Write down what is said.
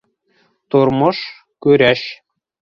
Тормош - көрәш.